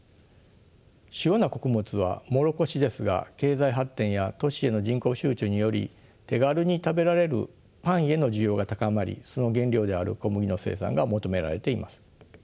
主要な穀物はモロコシですが経済発展や都市への人口集中により手軽に食べられるパンへの需要が高まりその原料である小麦の生産が求められています。